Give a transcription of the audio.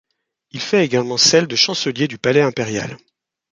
Il fait également celles de chancelier du palais impérial.